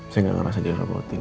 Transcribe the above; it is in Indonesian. saya gak ngerasa jelas rapotin